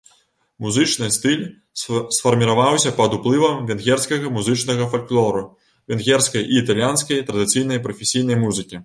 Музычны стыль сфарміраваўся пад уплывам венгерскага музычнага фальклору, венгерскай і італьянскай традыцыйнай прафесійнай музыкі.